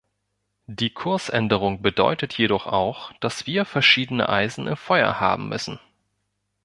Die Kursänderung bedeutet jedoch auch, dass wir verschiedene Eisen im Feuer haben müssen.